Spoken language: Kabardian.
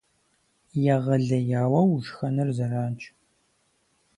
Егъэлеяуэ ушхэныр зэранщ.